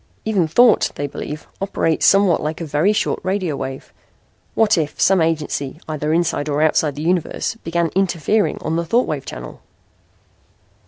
Even thought, they believe, operates somewhat like a very short radio wave. What if some agency, either inside or outside the universe, began interfering on the thought wave channel?"